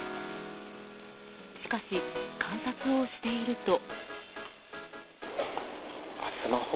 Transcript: しかし観察をしていると。